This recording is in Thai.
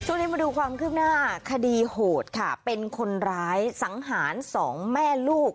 ช่วงนี้มาดูความคืบหน้าคดีโหดค่ะเป็นคนร้ายสังหารสองแม่ลูก